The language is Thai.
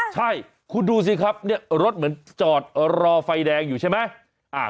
ใช่คุณดูสิครับรถเหมือนจอดรอไฟแดงอยู่ใช่ไหม